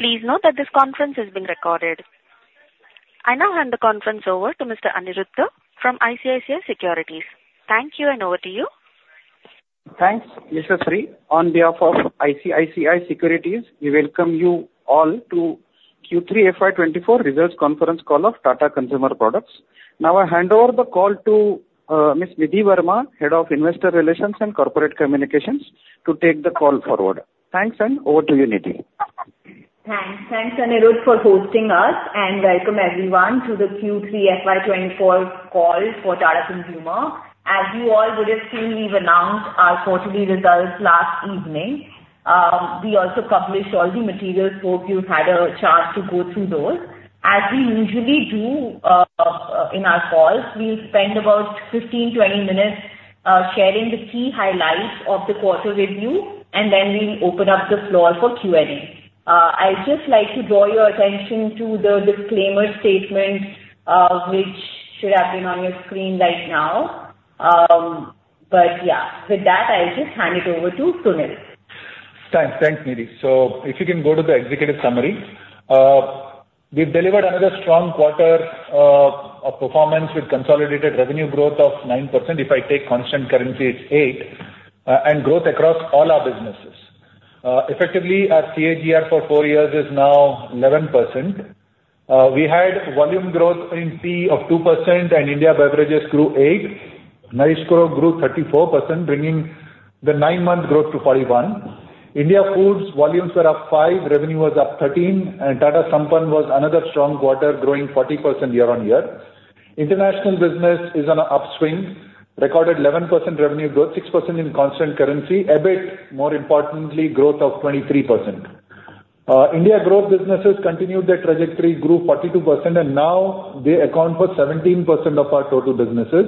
Please note that this conference is being recorded. I now hand the conference over to Mr. Aniruddha from ICICI Securities. Thank you, and over to you. Thanks, Yashashri. On behalf of ICICI Securities, we welcome you all to Q3 FY24 Results Conference Call of Tata Consumer Products. Now, I hand over the call to Ms. Nidhi Verma, Head of Investor Relations and Corporate Communications, to take the call forward. Thanks, and over to you, Nidhi. Thanks. Thanks, Aniruddha, for hosting us, and welcome everyone to the Q3 FY24 Call for Tata Consumer. As you all would have seen, we've announced our quarterly results last evening. We also published all the materials, so hope you've had a chance to go through those. As we usually do, in our calls, we'll spend about 15, 20 minutes, sharing the key highlights of the quarter review, and then we'll open up the floor for Q&A. I'd just like to draw your attention to the disclaimer statement, which should have been on your screen right now. But yeah, with that, I'll just hand it over to Sunil. Thanks. Thanks, Nidhi. So if you can go to the executive summary. We've delivered another strong quarter of performance with consolidated revenue growth of 9%. If I take constant currency, it's eight, and growth across all our businesses. Effectively, our CAGR for four years is now 11%. We had volume growth in tea of 2%, and India beverages grew 8%. Salt grew 34%, bringing the nine-month growth to 41%. India foods volumes were up five, revenue was up 13, and Tata Sampann was another strong quarter, growing 40% year-on-year. International business is on an upswing, recorded 11% revenue growth, 6% in constant currency, EBIT, more importantly, growth of 23%. India growth businesses continued their trajectory, grew 42%, and now they account for 17% of our total businesses.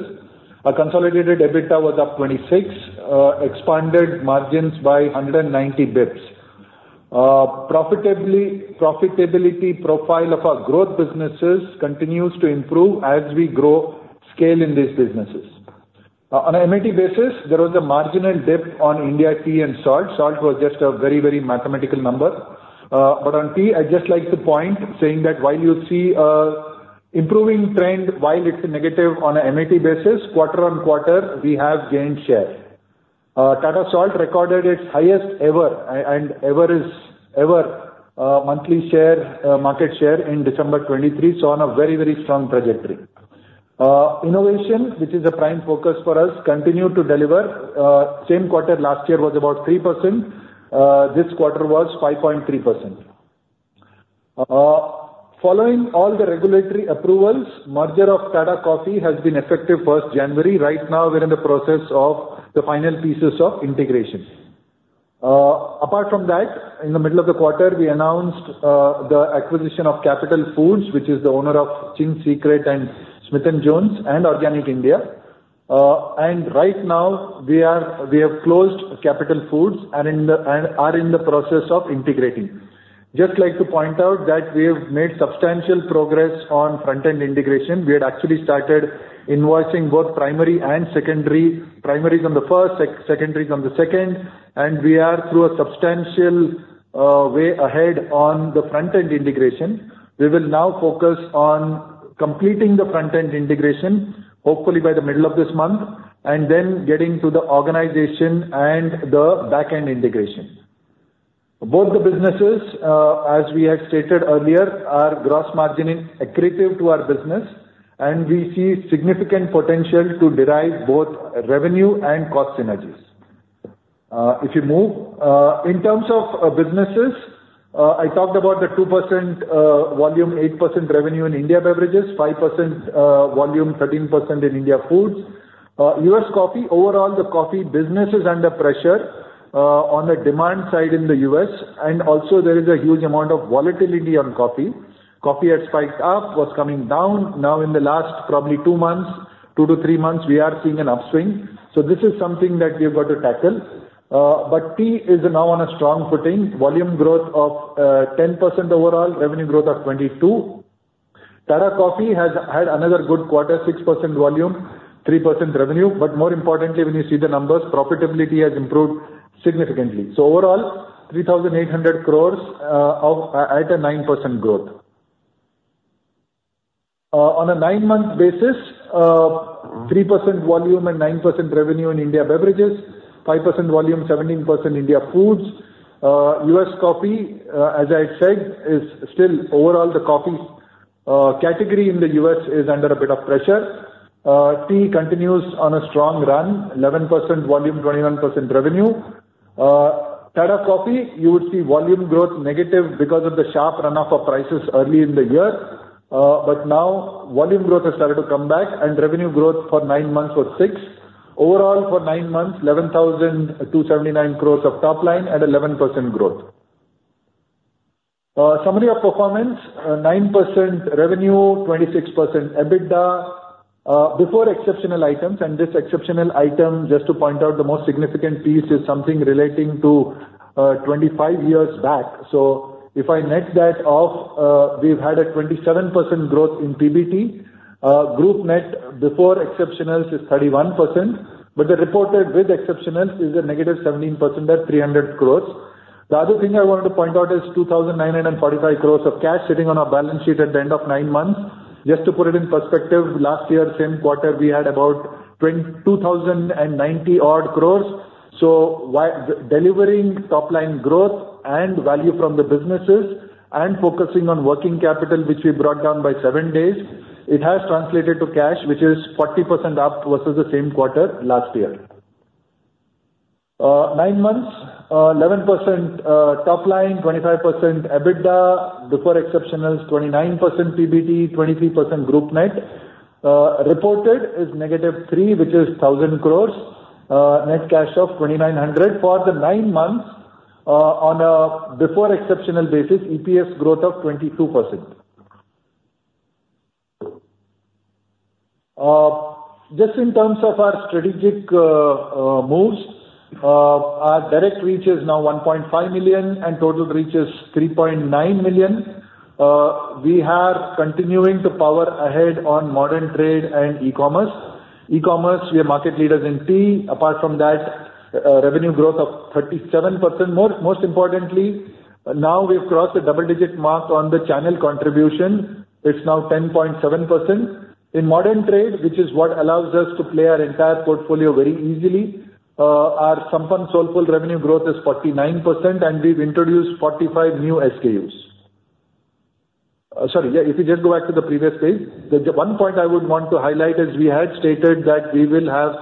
Our consolidated EBITDA was up 26, expanded margins by 190 basis points. Profitability profile of our growth businesses continues to improve as we grow scale in these businesses. On a MAT basis, there was a marginal dip on India tea and salt. Salt was just a very, very mathematical number. But on tea, I'd just like to point, saying that while you see a improving trend, while it's negative on a MAT basis, quarter-on-quarter, we have gained share. Tata Salt recorded its highest ever, and ever is ever, monthly market share in December 2023, so on a very, very strong trajectory. Innovation, which is a prime focus for us, continued to deliver. Same quarter last year was about 3%. This quarter was 5.3%. Following all the regulatory approvals, merger of Tata Coffee has been effective January 1. Right now, we're in the process of the final pieces of integration. Apart from that, in the middle of the quarter, we announced the acquisition of Capital Foods, which is the owner of Ching's Secret and Smith & Jones, and Organic India. And right now, we have closed Capital Foods and are in the process of integrating. Just like to point out that we have made substantial progress on front-end integration. We had actually started invoicing both primary and secondary. Primary is on the first, secondary is on the second, and we are through a substantial way ahead on the front-end integration. We will now focus on completing the front-end integration, hopefully by the middle of this month, and then getting to the organization and the back-end integration. Both the businesses, as we had stated earlier, are gross margin accretive to our business, and we see significant potential to derive both revenue and cost synergies. If you move, in terms of, businesses, I talked about the 2%, volume, 8% revenue in India beverages, 5%, volume, 13% in India foods. U.S. coffee, overall, the coffee business is under pressure, on the demand side in the U.S., and also there is a huge amount of volatility on coffee. Coffee had spiked up, was coming down. Now, in the last probably two months, two to three months, we are seeing an upswing. So this is something that we've got to tackle. But tea is now on a strong footing. Volume growth of 10% overall, revenue growth of 22%. Tata Coffee has had another good quarter, 6% volume, 3% revenue. But more importantly, when you see the numbers, profitability has improved significantly. So overall, 3,800 crore at a 9% growth. On a nine-month basis, 3% volume and 9% revenue in India beverages, 5% volume, 17% India foods. U.S. coffee, as I said, is still... Overall, the coffee category in the U.S. is under a bit of pressure. Tea continues on a strong run, 11% volume, 21% revenue. Tata Coffee, you would see volume growth negative because of the sharp run-up of prices early in the year. But now volume growth has started to come back, and revenue growth for nine months was 6%. Overall, for nine months, 11,279 crores of top line and 11% growth. Summary of performance, 9% revenue, 26% EBITDA, before exceptional items. And this exceptional item, just to point out, the most significant piece is something relating to 25 years back. So if I net that off, we've had a 27% growth in PBT. Group net before exceptionals is 31%, but the reported with exceptional is a -17% at 300 crores.... The other thing I wanted to point out is 2,945 crores of cash sitting on our balance sheet at the end of nine months. Just to put it in perspective, last year, same quarter, we had about 2,090 odd crores. So delivering top line growth and value from the businesses and focusing on working capital, which we brought down by seven days, it has translated to cash, which is 40% up versus the same quarter last year. Nine months, 11% top line, 25% EBITDA before exceptional, 29% PBT, 23% group net, reported is -3, which is 1,000 crores, net cash of 2,900 crores for the nine months, on a before exceptional basis, EPS growth of 22%. Just in terms of our strategic moves, our direct reach is now 1.5 million, and total reach is 3.9 million. We are continuing to power ahead on modern trade and e-commerce. E-commerce, we are market leaders in tea. Apart from that, revenue growth of 37%. More, most importantly, now we've crossed the double digit mark on the channel contribution. It's now 10.7%. In modern trade, which is what allows us to play our entire portfolio very easily, our Sampann, Soulfull revenue growth is 49%, and we've introduced 45 new SKUs. Sorry, yeah, if you just go back to the previous page. The one point I would want to highlight is we had stated that we will have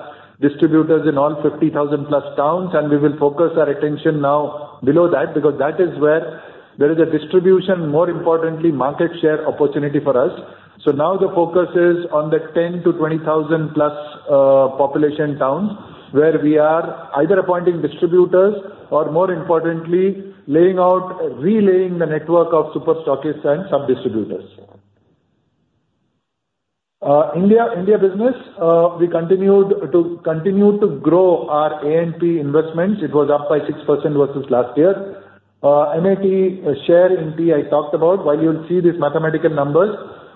distributors in all 50,000 plus towns, and we will focus our attention now below that, because that is where there is a distribution, more importantly, market share opportunity for us. So now the focus is on the 10 to 20,000+ population towns, where we are either appointing distributors or more importantly, laying out, relaying the network of super-stockists and sub-distributors. India business, we continue to grow our A&P investments. It was up by 6% versus last year. MAT share in tea, I talked about. While you'll see these mathematical numbers,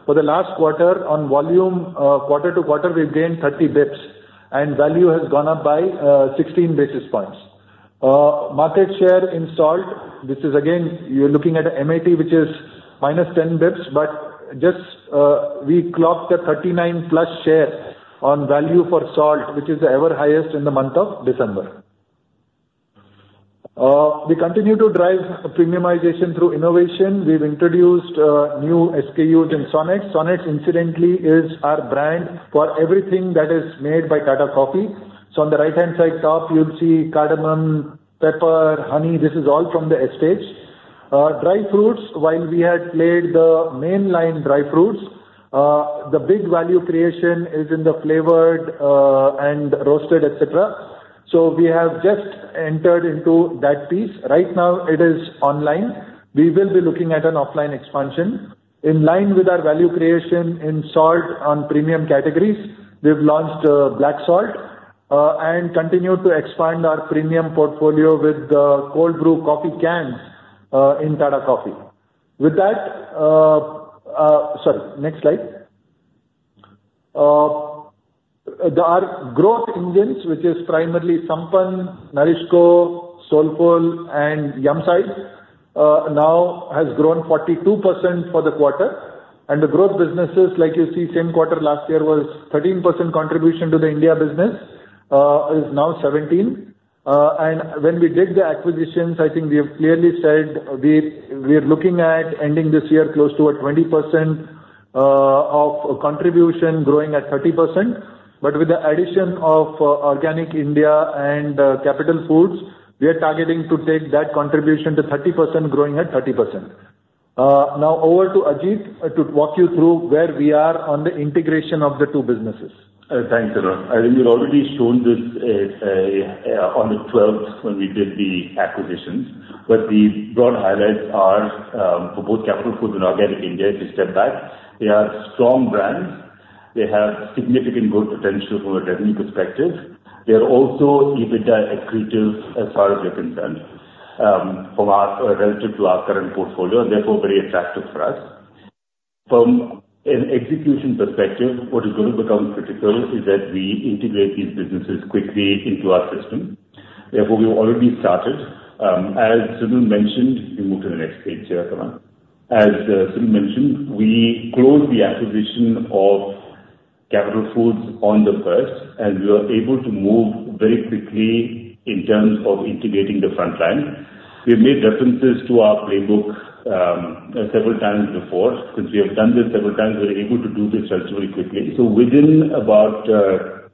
for the last quarter on volume, quarter to quarter, we've gained 30 basis points, and value has gone up by 16 basis points. Market share in salt, this is again, you're looking at MAT, which is -10 basis points, but just, we clocked a 39+ share on value for salt, which is the ever highest in the month of December. We continue to drive premiumization through innovation. We've introduced new SKUs in Sonnets. Sonnets, incidentally, is our brand for everything that is made by Tata Coffee. So on the right-hand side top, you'll see cardamom, pepper, honey, this is all from the estates. Dry fruits, while we had played the mainline dry fruits, the big value creation is in the flavored, and roasted, et cetera. So we have just entered into that piece. Right now, it is online. We will be looking at an offline expansion. In line with our value creation in salt on premium categories, we've launched Black Salt, and continued to expand our premium portfolio with the cold brew coffee cans in Tata Coffee. With that, sorry, next slide. Our growth engines, which is primarily Sampann, NourishCo, Soulfull and Yumside, now has grown 42% for the quarter. The growth businesses, like you see, same quarter last year, was 13% contribution to the India business, is now 17%. When we did the acquisitions, I think we have clearly said we are looking at ending this year close to a 20% of contribution growing at 30%. But with the addition of Organic India and Capital Foods, we are targeting to take that contribution to 30%, growing at 30%. Now over to Ajit to walk you through where we are on the integration of the two businesses. Thanks, Arun. I think we've already shown this on the twelfth when we did the acquisitions. But the broad highlights are for both Capital Foods and Organic India, to step back, they are strong brands. They have significant growth potential from a revenue perspective. They are also EBITDA accretive as far as we're concerned from our relative to our current portfolio, and therefore, very attractive for us. From an execution perspective, what is going to become critical is that we integrate these businesses quickly into our system. Therefore, we've already started. As Sunil mentioned, we move to the next page here, Arun. As Sunil mentioned, we closed the acquisition of Capital Foods on the first, and we were able to move very quickly in terms of integrating the front line. We've made references to our playbook several times before. Since we have done this several times, we're able to do this relatively quickly. So within about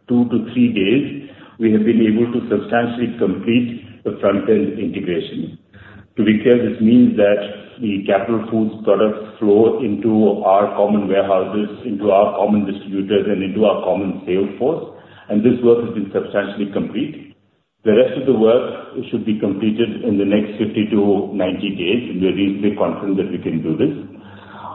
two to three days, we have been able to substantially complete the front-end integration. To be clear, this means that the Capital Foods products flow into our common warehouses, into our common distributors, and into our common sales force, and this work has been substantially complete. The rest of the work should be completed in the next 50-90 days, and we are reasonably confident that we can do this.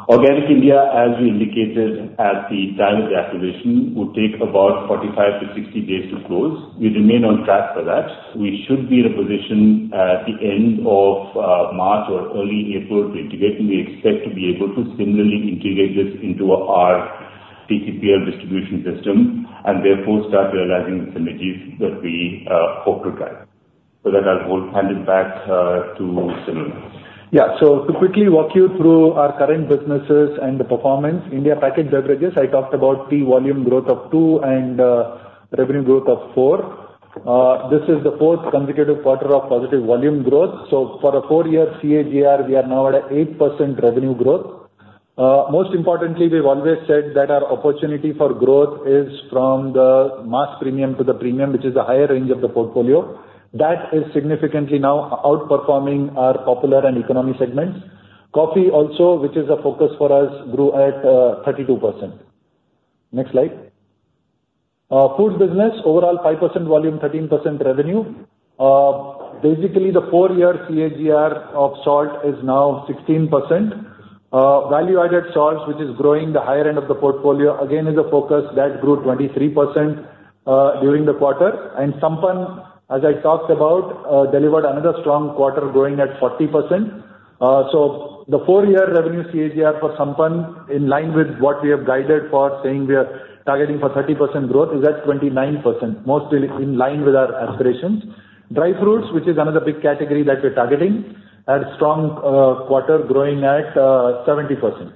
Organic India, as we indicated at the time of the acquisition, would take about 45-60 days to close. We remain on track for that. We should be in a position at the end of March or early April to integrate, and we expect to be able to similarly integrate this into our TCPL distribution system, and therefore start realizing the synergies that we hope to drive. So with that, I'll hand it back to Sunil. Yeah. So to quickly walk you through our current businesses and the performance, India Packaged Beverages, I talked about tea volume growth of two and revenue growth of 4%. This is the fourth consecutive quarter of positive volume growth. So for a four-year CAGR, we are now at 8% revenue growth. Most importantly, we've always said that our opportunity for growth is from the mass premium to the premium, which is the higher range of the portfolio. That is significantly now outperforming our popular and economy segments. Coffee also, which is a focus for us, grew at 32%. Next slide. Foods business, overall 5% volume, 13% revenue. Basically, the four-year CAGR of salt is now 16%. Value-added salts, which is growing the higher end of the portfolio, again, is a focus that grew 23% during the quarter. Sampann, as I talked about, delivered another strong quarter, growing at 40%. So the four-year revenue CAGR for Sampann, in line with what we have guided for, saying we are targeting for 30% growth, is at 29%, mostly in line with our aspirations. Dry fruits, which is another big category that we're targeting, had a strong quarter, growing at 70%.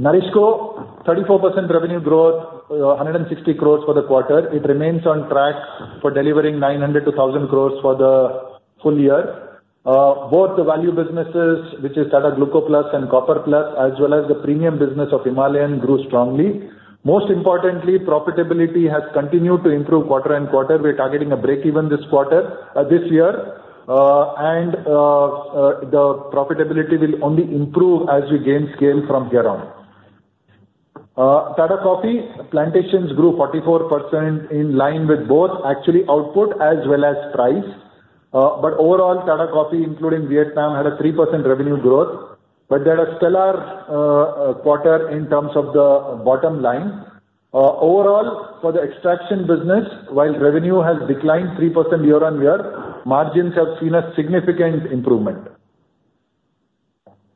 Next slide. NourishCo, 34% revenue growth, 160 crore for the quarter. It remains on track for delivering 900 crore-1,000 crore for the full year. Both the value businesses, which is Tata Gluco+, Copper+, as well as the premium business of Himalayan, grew strongly. Most importantly, profitability has continued to improve quarter and quarter. We're targeting a break even this quarter, this year, and the profitability will only improve as we gain scale from here on. Tata Coffee plantations grew 44% in line with both actually output as well as price. But overall, Tata Coffee, including Vietnam, had a 3% revenue growth, but had a stellar quarter in terms of the bottom line. Overall, for the extraction business, while revenue has declined 3% year-on-year, margins have seen a significant improvement.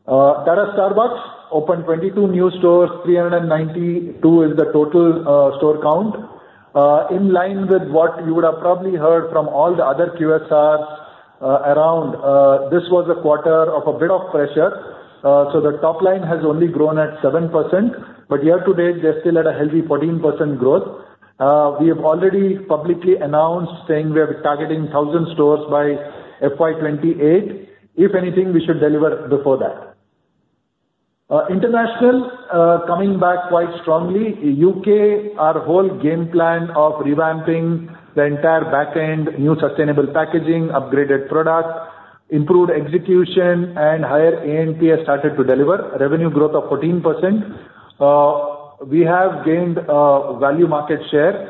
Tata Starbucks opened 22 new stores, 392 is the total store count. In line with what you would have probably heard from all the other QSRs, this was a quarter of a bit of pressure. So the top line has only grown at 7%, but year to date, they're still at a healthy 14% growth. We have already publicly announced, saying we are targeting 1,000 stores by FY 2028. If anything, we should deliver before that. International, coming back quite strongly. U.K., our whole game plan of revamping the entire back end, new sustainable packaging, upgraded products, improved execution, and higher A&P has started to deliver. Revenue growth of 14%. We have gained value market share.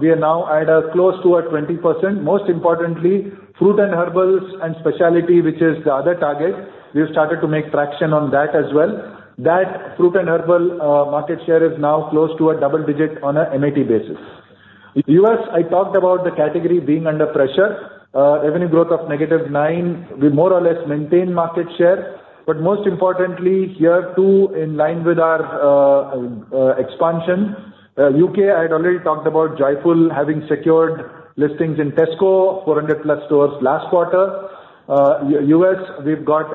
We are now at close to a 20%. Most importantly, fruit and herbals and specialty, which is the other target, we have started to make traction on that as well. That fruit and herbal market share is now close to a double digit on a MAT basis. U.S., I talked about the category being under pressure. Revenue growth of -9%, we more or less maintained market share, but most importantly, here, too, in line with our expansion. U.K., I had already talked about Joyfull having secured listings in Tesco, 400+ stores last quarter. U.S., we've got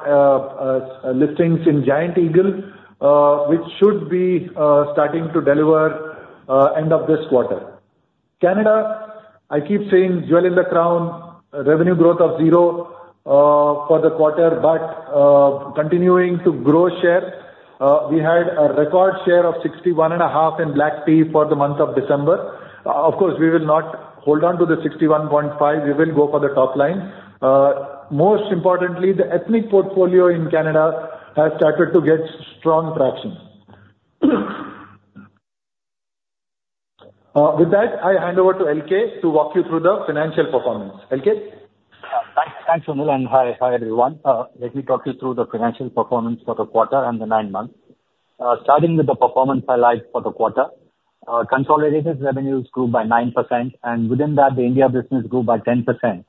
listings in Giant Eagle, which should be starting to deliver end of this quarter. Canada, I keep saying, jewel in the crown, revenue growth of 0% for the quarter, but continuing to grow share. We had a record share of 61.5% in black tea for the month of December. Of course, we will not hold on to the 61.5%, we will go for the top line. Most importantly, the ethnic portfolio in Canada has started to get strong traction. With that, I hand over to LK to walk you through the financial performance. LK? Thanks. Thanks, Sunil, and hi, hi, everyone. Let me talk you through the financial performance for the quarter and the nine months. Starting with the performance highlights for the quarter. Consolidated revenues grew by 9%, and within that, the India business grew by 10%.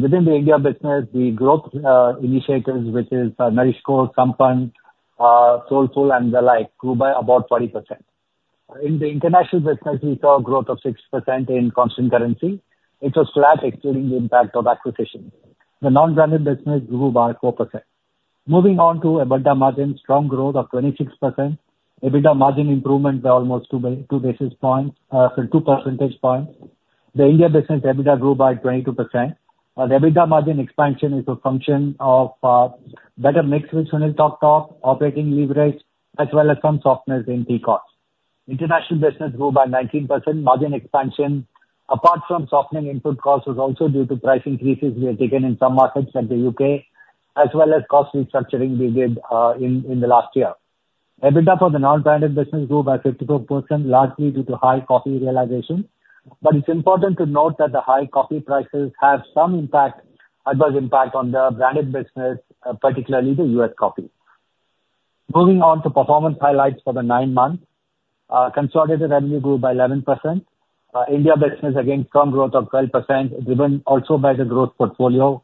Within the India business, the growth initiatives, which is NourishCo, Sampann, Soulfull, and the like, grew by about 40%. In the international business, we saw growth of 6% in constant currency, which was flat, excluding the impact of acquisitions. The non-branded business grew by 4%. Moving on to EBITDA margins, strong growth of 26%. EBITDA margin improvements are almost two basis points, so 2 percentage points. The India business EBITDA grew by 22%. The EBITDA margin expansion is a function of better mix, which Sunil talked of, operating leverage, as well as some softness in tea costs. International business grew by 19%. Margin expansion, apart from softening input costs, was also due to price increases we have taken in some markets, like the UK, as well as cost restructuring we did in the last year. EBITDA for the non-branded business grew by 54%, largely due to high coffee realization. But it's important to note that the high coffee prices have some impact, adverse impact, on the branded business, particularly the U.S. coffee. Moving on to performance highlights for the nine months. Consolidated revenue grew by 11%. India business, again, strong growth of 12%, driven also by the growth portfolio.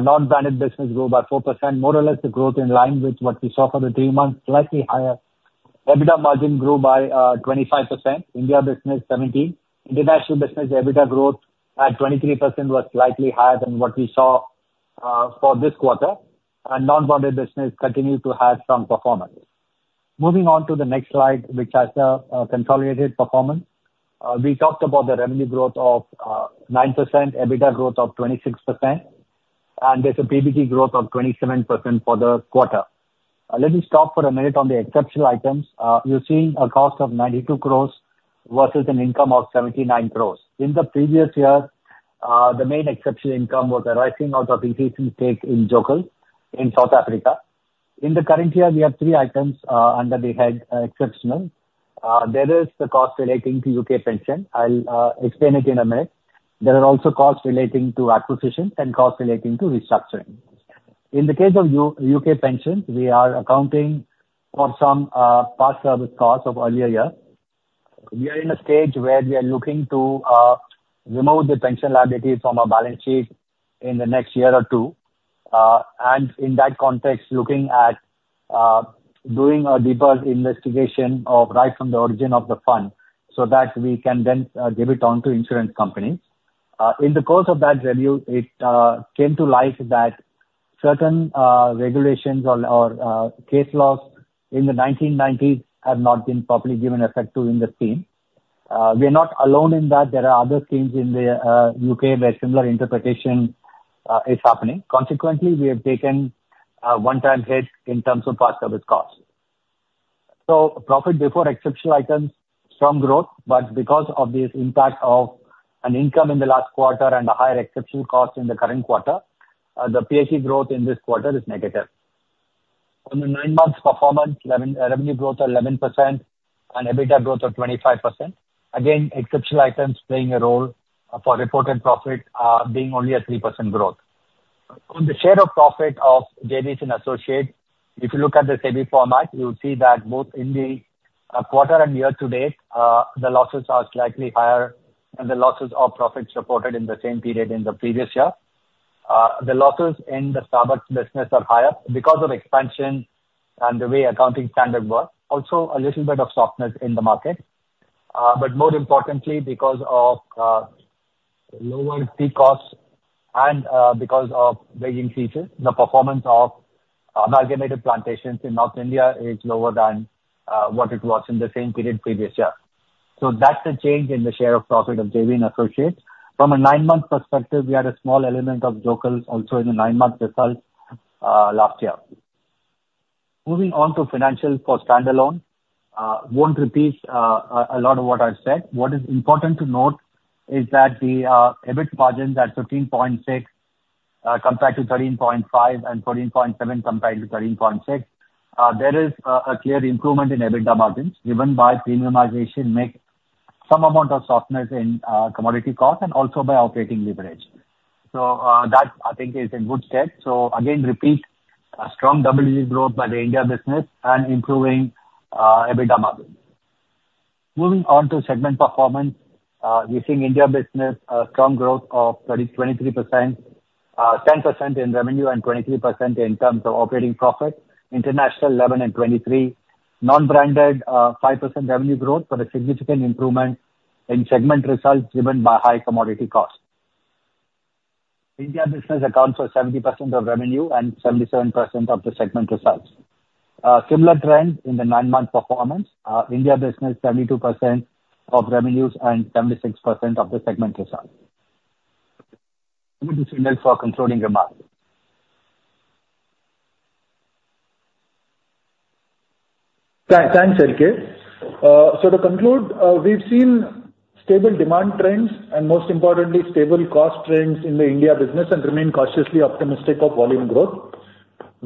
Non-branded business grew by 4%, more or less the growth in line with what we saw for the three months, slightly higher. EBITDA margin grew by 25%, India business 17%. International business, EBITDA growth at 23% was slightly higher than what we saw for this quarter, and non-branded business continued to have strong performance. Moving on to the next slide, which has the consolidated performance. We talked about the revenue growth of 9%, EBITDA growth of 26%, and there's a PBT growth of 27% for the quarter. Let me stop for a minute on the exceptional items. You're seeing a cost of 92 crore versus an income of 79 crore. In the previous year, the main exceptional income was arising out of increasing stake in Joekels in South Africa. In the current year, we have three items under the head exceptional. There is the cost relating to U.K. pension. I'll explain it in a minute. There are also costs relating to acquisitions and costs relating to restructuring. In the case of U.K. pensions, we are accounting for some past service costs of earlier year. We are in a stage where we are looking to remove the pension liability from our balance sheet in the next year or two. And in that context, looking at doing a deeper investigation of right from the origin of the fund, so that we can then give it on to insurance companies. In the course of that review, it came to light that certain regulations or case laws in the 1990s have not been properly given effect to in the scheme. We are not alone in that. There are other schemes in the U.K., where similar interpretation is happening. Consequently, we have taken a one-time hit in terms of past service costs. So profit before exceptional items, strong growth, but because of this impact of an income in the last quarter and a higher exceptional cost in the current quarter, the PAT growth in this quarter is negative. On the nine months performance, 11% revenue growth of 11% and EBITDA growth of 25%. Again, exceptional items playing a role for reported profit being only a 3% growth. On the share of profit of JVS & Associates, if you look at the SEBI format, you'll see that both in the quarter and year to date, the losses are slightly higher, and the losses or profits reported in the same period in the previous year. The losses in the Starbucks business are higher because of expansion and the way accounting standard work. Also, a little bit of softness in the market. But more importantly, because of lower tea costs and because of wage increases, the performance of Amalgamated Plantations in North India is lower than what it was in the same period previous year. So that's the change in the share of profit of JVS & Associates. From a nine-month perspective, we had a small element of Joekels also in the nine-month results last year. Moving on to financials for standalone. Won't repeat a lot of what I've said. What is important to note is that the EBIT margins at 13.6% compared to 13.5%, and 14.7% compared to 13.6%. There is a clear improvement in EBITDA margins driven by premiumization mix, some amount of softness in commodity cost, and also by operating leverage. So, that, I think, is a good step. So again, repeat, a strong double-digit growth by the India business and improving EBITDA margins. Moving on to segment performance. We're seeing India business, a strong growth of 23%, 10% in revenue and 23% in terms of operating profit. International, 11% and 23%. Non-branded, 5% revenue growth, but a significant improvement in segment results driven by high commodity costs. India business accounts for 70% of revenue and 77% of the segment results. Similar trend in the nine-month performance. India business, 72% of revenues and 76% of the segment results. Over to Sunil for concluding remarks. Thanks, LK. So to conclude, we've seen stable demand trends, and most importantly, stable cost trends in the India business and remain cautiously optimistic of volume growth.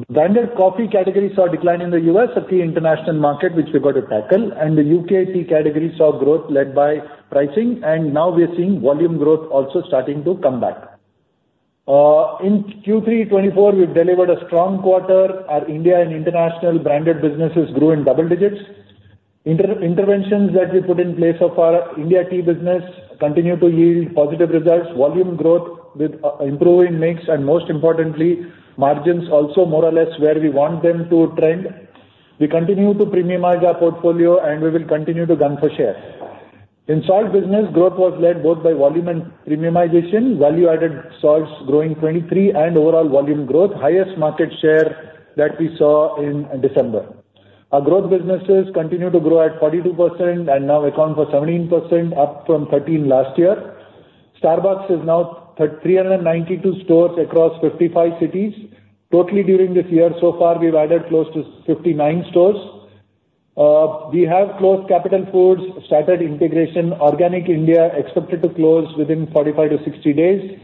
Branded coffee category saw a decline in the U.S., a key international market, which we've got to tackle, and the U.K. tea category saw growth led by pricing, and now we are seeing volume growth also starting to come back. In Q3 2024, we've delivered a strong quarter. Our India and international branded businesses grew in double digits. Interventions that we put in place for our India tea business continue to yield positive results, volume growth with improving mix, and most importantly, margins also more or less where we want them to trend. We continue to premiumize our portfolio, and we will continue to gun for share. In salt business, growth was led both by volume and premiumization, value-added salts growing 23, and overall volume growth, highest market share that we saw in December. Our growth businesses continue to grow at 42% and now account for 17%, up from 13 last year. Starbucks is now at 392 stores across 55 cities. Totally during this year so far, we've added close to 59 stores. We have closed Capital Foods, started integration. Organic India expected to close within 45-60 days.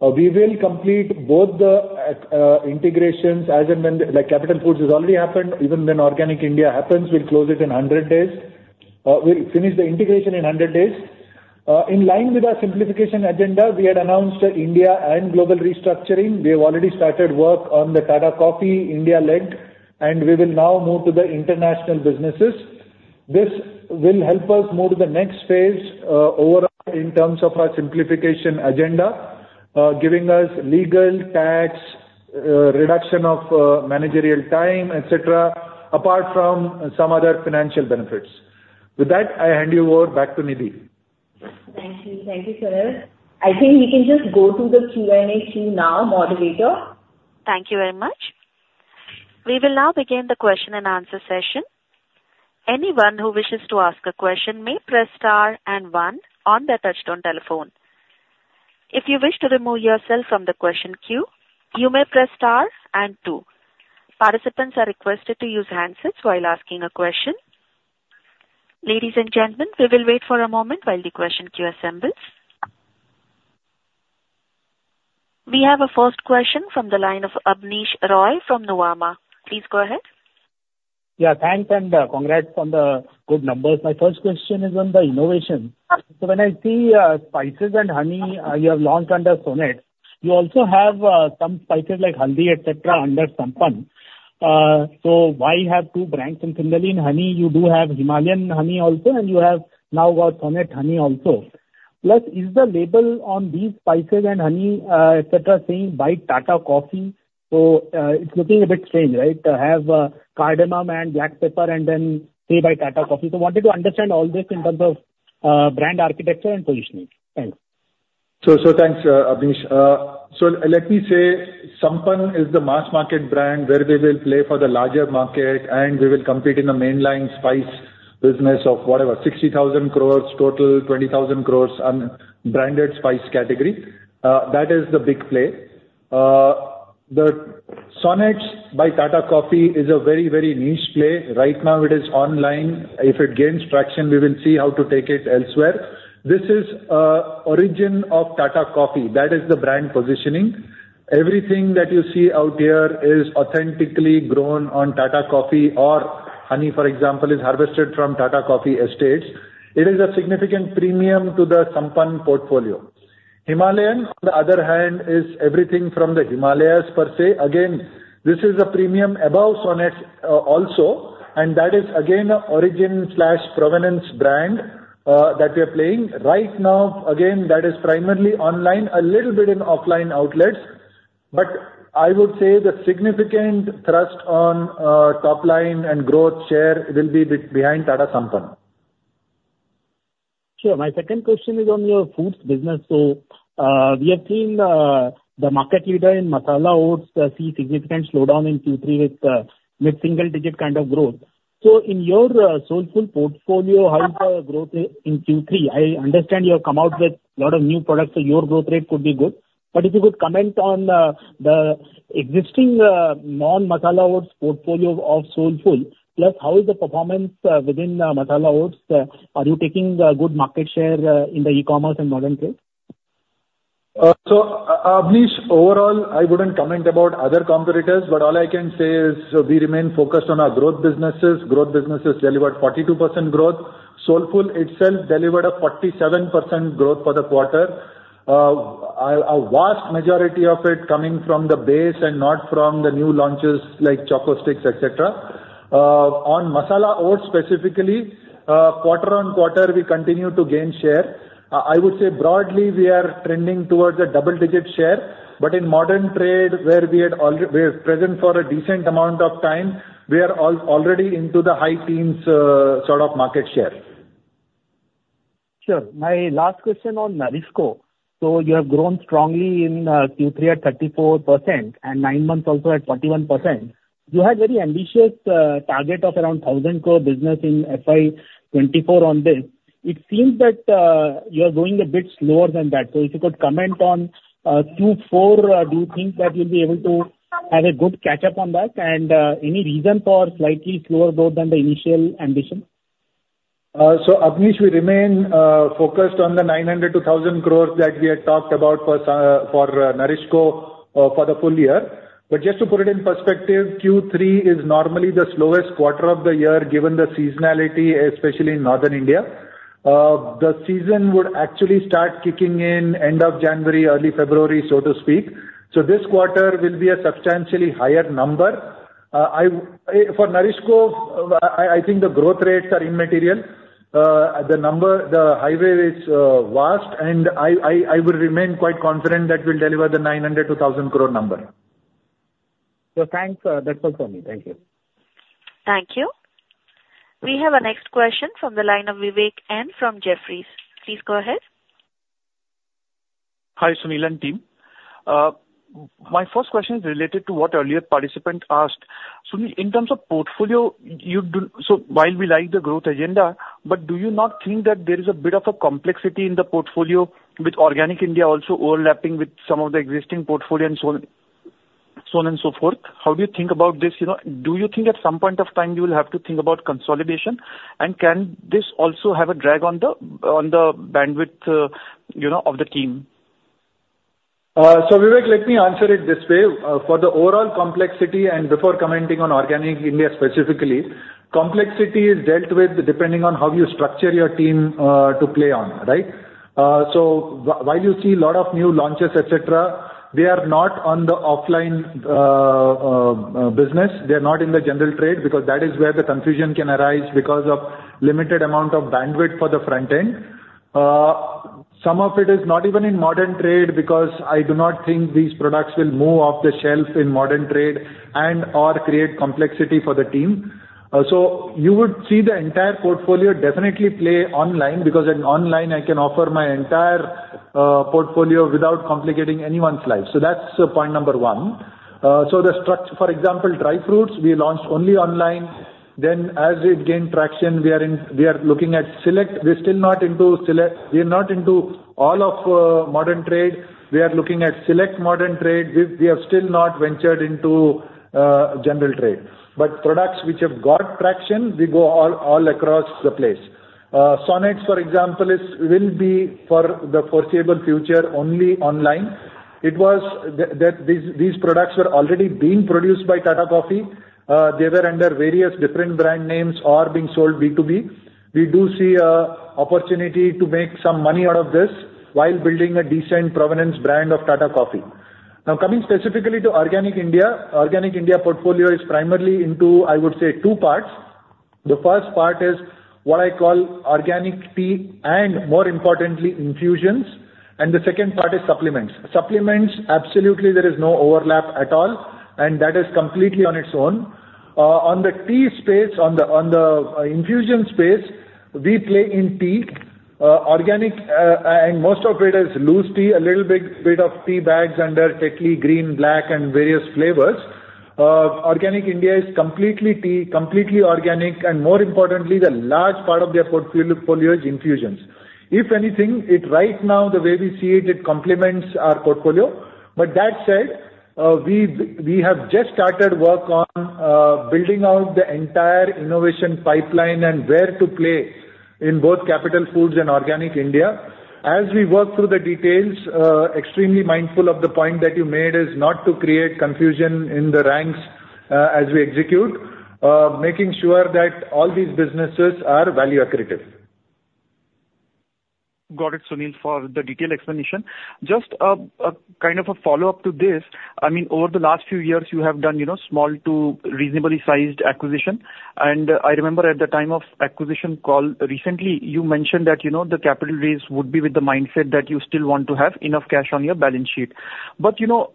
We will complete both the integrations as and when, like, Capital Foods has already happened. Even when Organic India happens, we'll close it in 100 days. We'll finish the integration in 100 days. In line with our simplification agenda, we had announced India and global restructuring. We have already started work on the Tata Coffee India leg, and we will now move to the international businesses. This will help us move to the next phase, overall in terms of our simplification agenda, giving us legal, tax, reduction of, managerial time, et cetera, apart from some other financial benefits. With that, I hand you over back to Nidhi. Thank you. Thank you, Sunil. I think we can just go to the Q&A queue now, moderator. Thank you very much. We will now begin the question and answer session. Anyone who wishes to ask a question may press star and one on their touchtone telephone. If you wish to remove yourself from the question queue, you may press star and two. Participants are requested to use handsets while asking a question. Ladies and gentlemen, we will wait for a moment while the question queue assembles. We have a first question from the line of Abneesh Roy from Nuvama. Please go ahead. Yeah, thanks and, congrats on the good numbers. My first question is on the innovation. So when I see, spices and honey, you have launched under Sonnets, you also have, some spices like haldi, et cetera, under Sampann. So why have two brands? And similarly, in honey, you do have Himalayan honey also, and you have now got Sonnets honey also. Plus, is the label on these spices and honey, et cetera, saying by Tata Coffee? So, it's looking a bit strange, right? To have, cardamom and black pepper and then say by Tata Coffee. So wanted to understand all this in terms of, brand architecture and positioning. Thanks. So, so thanks, Abneesh. So let me say, Sampann is the mass market brand, where we will play for the larger market, and we will compete in the mainline spice business of whatever, 60,000 crore total, 20,000 crore on branded spice category. That is the big play. The Sonnets by Tata Coffee is a very, very niche play. Right now, it is online. If it gains traction, we will see how to take it elsewhere. This is origin of Tata Coffee. That is the brand positioning. Everything that you see out there is authentically grown on Tata Coffee, or honey, for example, is harvested from Tata Coffee Estates. It is a significant premium to the Sampann portfolio. Himalayan, on the other hand, is everything from the Himalayas per se. Again, this is a premium above Sonnets, also, and that is again, origin slash provenance brand, that we are playing. Right now, again, that is primarily online, a little bit in offline outlets, but I would say the significant thrust on, top line and growth share will be behind Tata Sampann. Sure. My second question is on your foods business. So, we have seen, the market leader in masala oats see significant slowdown in Q3 with, mid-single digit kind of growth. So in your, Soulfull portfolio, how is the growth in Q3? I understand you have come out with a lot of course new products, so your growth rate could be good. But if you could comment on, the existing, non-masala oats portfolio of Soulfull, plus how is the performance, within the masala oats? Are you taking, good market share, in the e-commerce and modern trade? So, Abneesh, overall, I wouldn't comment about other competitors, but all I can say is we remain focused on our growth businesses. Growth businesses delivered 42% growth. Soulfull itself delivered a 47% growth for the quarter. A vast majority of it coming from the base and not from the new launches, like Choco Sticks, et cetera. On masala oats specifically, quarter-on-quarter, we continue to gain share. I would say broadly, we are trending towards a double-digit share, but in modern trade, where we are present for a decent amount of time, we are already into the high teens, sort of market share. Sure. My last question on NourishCo. So you have grown strongly in Q3 at 34% and nine months also at 21%. You had very ambitious target of around 1,000 crore business in FY 2024 on this. It seems that you are going a bit slower than that. So if you could comment on Q4, do you think that you'll be able to have a good catch-up on that? And any reason for slightly slower growth than the initial ambition? So Abneesh, we remain focused on the 900-1,000 crore that we had talked about for NourishCo for the full year. But just to put it in perspective, Q3 is normally the slowest quarter of the year, given the seasonality, especially in North India. The season would actually start kicking in end of January, early February, so to speak. So this quarter will be a substantially higher number. For NourishCo, I would remain quite confident that we'll deliver the 900-1,000 crore number. Thanks. That's all from me. Thank you. Thank you. We have our next question from the line of Vivek M from Jefferies. Please go ahead. Hi, Sunil and team. My first question is related to what earlier participant asked. Sunil, in terms of portfolio, you do... So while we like the growth agenda, but do you not think that there is a bit of a complexity in the portfolio with Organic India also overlapping with some of the existing portfolio and so on, so on and so forth? How do you think about this? You know, do you think at some point of time you will have to think about consolidation? And can this also have a drag on the, on the bandwidth, you know, of the team?... so Vivek, let me answer it this way. For the overall complexity and before commenting on Organic India specifically, complexity is dealt with depending on how you structure your team, to play on, right? So while you see a lot of new launches, et cetera, they are not on the offline business. They are not in the general trade, because that is where the confusion can arise because of limited amount of bandwidth for the front end. Some of it is not even in modern trade, because I do not think these products will move off the shelf in modern trade and, or create complexity for the team. So you would see the entire portfolio definitely play online, because in online I can offer my entire portfolio without complicating anyone's life. So that's point number one. So, for example, dry fruits, we launched only online. Then, as it gained traction, we are looking at select modern trade. We are still not into all of modern trade. We are looking at select modern trade. We have still not ventured into general trade. But products which have got traction, we go all across the place. Sonnets, for example, will be for the foreseeable future only online. It was that these products were already being produced by Tata Coffee. They were under various different brand names or being sold B2B. We do see an opportunity to make some money out of this while building a decent provenance brand of Tata Coffee. Now, coming specifically to Organic India, Organic India portfolio is primarily into, I would say, two parts. The first part is what I call Organic Tea, and more importantly, infusions, and the second part is supplements. Supplements, absolutely, there is no overlap at all, and that is completely on its own. On the tea space, on the infusion space, we play in tea, organic, and most of it is loose tea, a little bit of tea bags under Tetley green, black, and various flavors. Organic India is completely tea, completely organic, and more importantly, the large part of their portfolio is infusions. If anything, it right now, the way we see it, it complements our portfolio. But that said, we've just started work on building out the entire innovation pipeline and where to play in both Capital Foods and Organic India. As we work through the details, extremely mindful of the point that you made, is not to create confusion in the ranks, as we execute, making sure that all these businesses are value accretive. Got it, Sunil, for the detailed explanation. Just a kind of a follow-up to this, I mean, over the last few years, you have done, you know, small to reasonably sized acquisition. And I remember at the time of acquisition call recently, you mentioned that, you know, the capital raise would be with the mindset that you still want to have enough cash on your balance sheet. But, you know,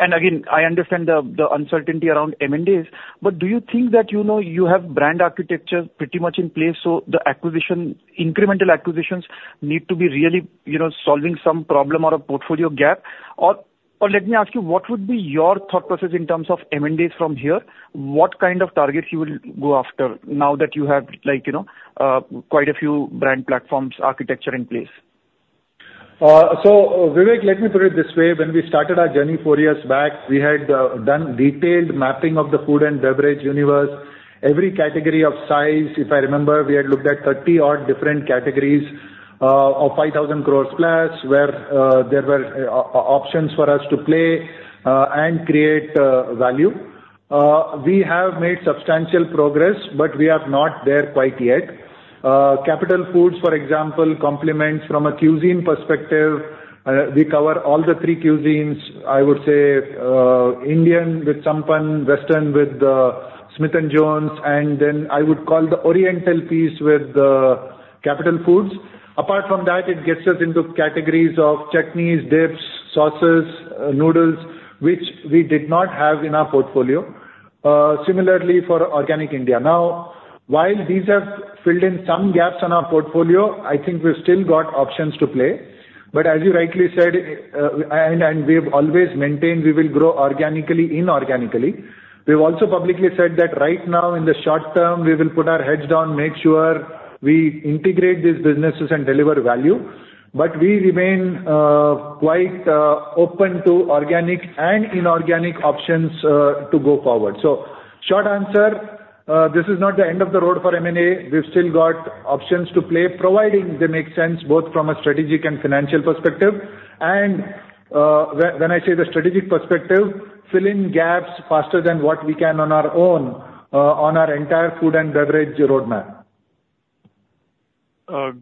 and again, I understand the, the uncertainty around M&As, but do you think that, you know, you have brand architecture pretty much in place, so the acquisition, incremental acquisitions need to be really, you know, solving some problem or a portfolio gap? Or, or let me ask you, what would be your thought process in terms of M&As from here? What kind of targets you will go after now that you have, like, you know, quite a few brand platforms architecture in place? So, Vivek, let me put it this way. When we started our journey four years back, we had done detailed mapping of the food and beverage universe. Every category of size, if I remember, we had looked at 30-odd different categories of 5,000 crore plus, where there were options for us to play and create value. We have made substantial progress, but we are not there quite yet. Capital Foods, for example, complements from a cuisine perspective. We cover all the three cuisines, I would say, Indian with Sampann, Western with Smith & Jones, and then I would call the Oriental Piece with Capital Foods. Apart from that, it gets us into categories of chutneys, dips, sauces, noodles, which we did not have in our portfolio. Similarly for Organic India. Now, while these have filled in some gaps on our portfolio, I think we've still got options to play. But as you rightly said, and we've always maintained we will grow organically, inorganically. We've also publicly said that right now, in the short term, we will put our heads down, make sure we integrate these businesses and deliver value, but we remain quite open to organic and inorganic options to go forward. So short answer, this is not the end of the road for M&A. We've still got options to play, providing they make sense, both from a strategic and financial perspective. And when I say the strategic perspective, fill in gaps faster than what we can on our own, on our entire food and beverage roadmap.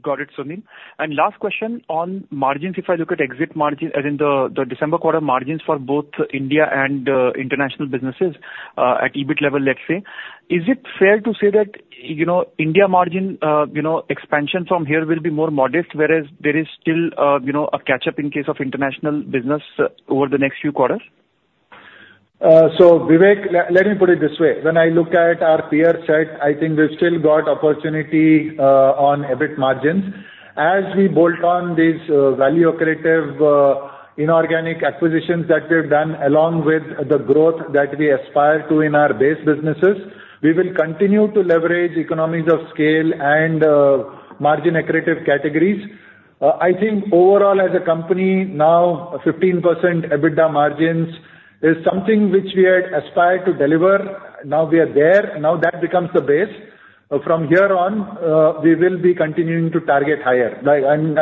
Got it, Sunil. And last question on margins, if I look at exit margins, as in the December quarter margins for both India and international businesses, at EBIT level, let's say, is it fair to say that, you know, India margin, you know, expansion from here will be more modest, whereas there is still, you know, a catch-up in case of international business over the next few quarters? So Vivek, let me put it this way. When I look at our peer set, I think we've still got opportunity on EBIT margins. As we bolt on these value accretive inorganic acquisitions that we've done, along with the growth that we aspire to in our base businesses, we will continue to leverage economies of scale and margin accretive categories. I think overall as a company, now 15% EBITDA margins is something which we had aspired to deliver. Now we are there, now that becomes the base.... From here on, we will be continuing to target higher. Like, and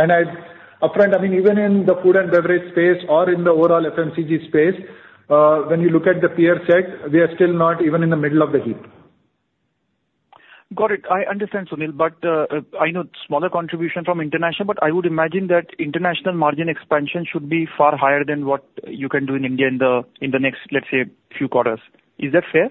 upfront, I mean, even in the food and beverage space or in the overall FMCG space, when you look at the peer set, we are still not even in the middle of the heap. Got it. I understand, Sunil, but I know smaller contribution from international, but I would imagine that international margin expansion should be far higher than what you can do in India in the next, let's say, few quarters. Is that fair?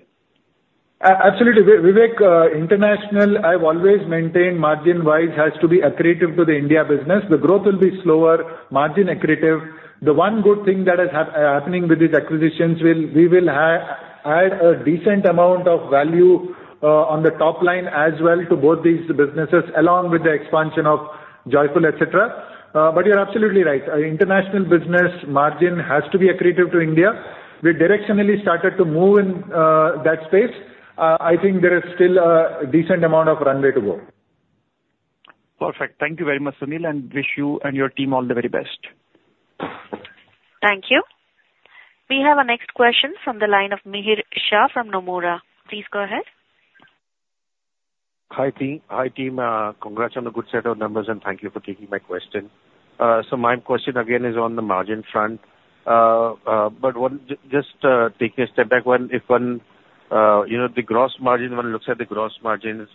Absolutely. Vivek, international, I've always maintained margin-wise, has to be accretive to the India business. The growth will be slower, margin accretive. The one good thing that is happening with these acquisitions will add a decent amount of value on the top line as well to both these businesses, along with the expansion of Joyfull, et cetera. But you're absolutely right. Our international business margin has to be accretive to India. We directionally started to move in that space. I think there is still a decent amount of runway to go. Perfect. Thank you very much, Sunil, and wish you and your team all the very best. Thank you. We have our next question from the line of Mihir Shah from Nomura. Please go ahead. Hi, team. Hi, team, congrats on the good set of numbers, and thank you for taking my question. So my question again is on the margin front. But one, just taking a step back, when, if one, you know, the gross margin, one looks at the gross margins,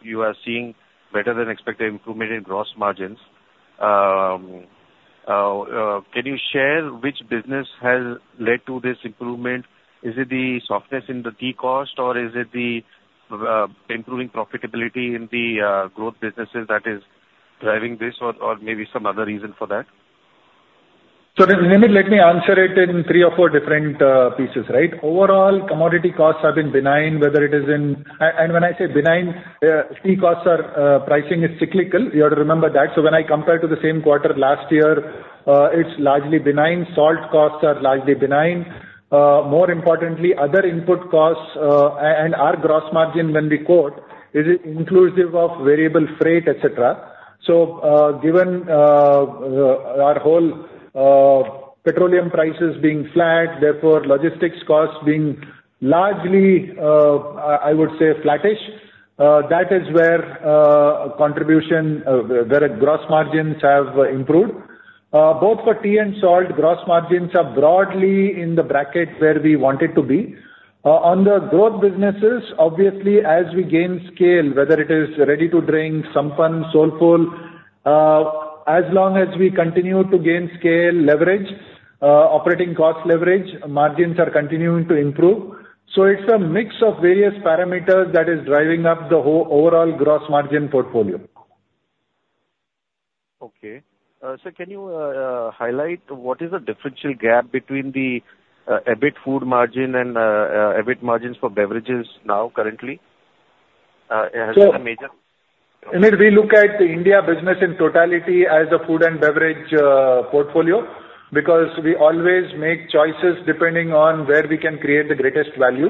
you are seeing better than expected improvement in gross margins. Can you share which business has led to this improvement? Is it the softness in the tea cost, or is it the improving profitability in the growth businesses that is driving this, or maybe some other reason for that? So, Mihir, let me answer it in three or four different pieces, right? Overall, commodity costs have been benign, whether it is in... and when I say benign, tea costs are, pricing is cyclical. You have to remember that. So when I compare to the same quarter last year, it's largely benign. Salt costs are largely benign. More importantly, other input costs, and our gross margin when we quote, is inclusive of variable freight, et cetera. So, given our whole petroleum prices being flat, therefore logistics costs being largely, I would say flattish, that is where contribution where gross margins have improved. Both for tea and salt, gross margins are broadly in the bracket where we want it to be. On the growth businesses, obviously, as we gain scale, whether it is ready-to-drink, Sampann, Soulfull, as long as we continue to gain scale, leverage, operating cost leverage, margins are continuing to improve. So it's a mix of various parameters that is driving up the overall gross margin portfolio. Okay. So can you highlight what is the differential gap between the EBIT food margin and EBIT margins for beverages now currently? It has been a major- Mihir, we look at the India business in totality as a food and beverage portfolio, because we always make choices depending on where we can create the greatest value.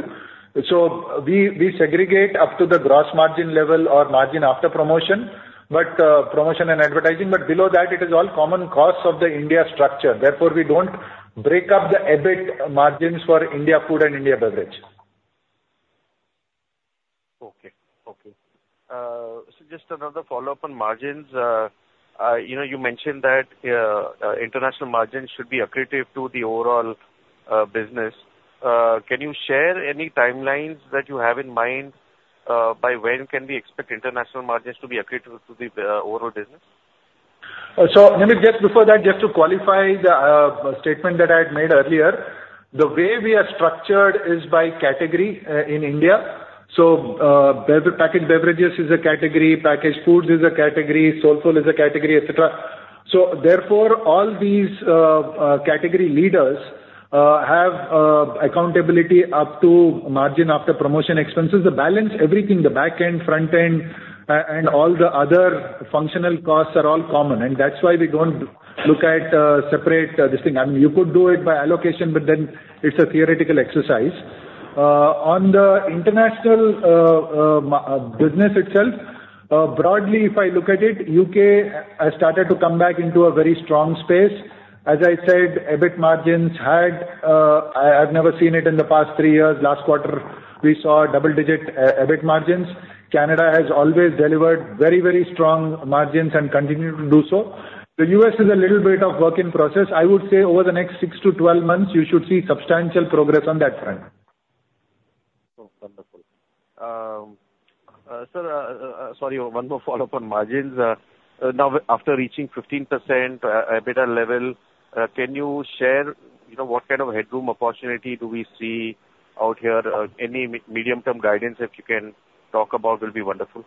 So we, we segregate up to the gross margin level or margin after promotion, but promotion and advertising, but below that, it is all common costs of the India structure. Therefore, we don't break up the EBIT margins for India food and India beverage. Okay, okay. So just another follow-up on margins. You know, you mentioned that international margins should be accretive to the overall business. Can you share any timelines that you have in mind, by when can we expect international margins to be accretive to the overall business? So let me, just before that, just to qualify the statement that I had made earlier, the way we are structured is by category in India. So packaged beverages is a category, packaged foods is a category, Soulfull is a category, et cetera. So therefore, all these category leaders have accountability up to margin after promotion expenses. The balance, everything, the back end, front end, and all the other functional costs are all common, and that's why we don't look at separate this thing. I mean, you could do it by allocation, but then it's a theoretical exercise. On the international business itself, broadly, if I look at it, U.K. has started to come back into a very strong space. As I said, EBIT margins had, I've never seen it in the past three years. Last quarter, we saw double-digit EBIT margins. Canada has always delivered very, very strong margins and continue to do so. The U.S. is a little bit of work in process. I would say over the next 6-12 months, you should see substantial progress on that front. Oh, wonderful. Sir, sorry, one more follow-up on margins. Now, after reaching 15%, EBITDA level, can you share, you know, what kind of headroom opportunity do we see out here? Any medium-term guidance that you can talk about will be wonderful.